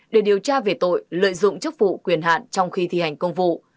để điều tra về tội lợi dụng chức vụ quyền hạn trong khi thi hành công vụ